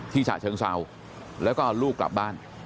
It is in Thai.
ที่ฉะเชิงเซาแล้วก็ลูกกลับบ้าน